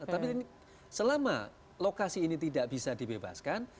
tapi selama lokasi ini tidak bisa dibebaskan